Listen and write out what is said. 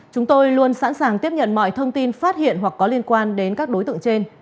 chúng tôi luôn sẵn sàng tiếp nhận mọi thông tin phát hiện hoặc có liên quan đến các đối tượng trên